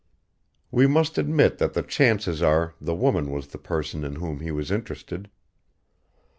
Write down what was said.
We must admit that the chances are the woman was the person in whom he was interested.